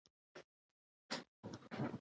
د څوکۍ د مازدیګري خبرې به یې کولې.